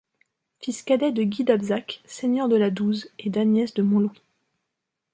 Fils cadet de Guy d'Abzac, seigneur de la Douze, et d’Agnès de Montlouis.